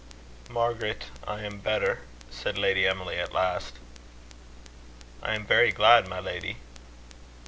"Margaret, I am better," said Lady Emily, at last. "I am very glad, my lady."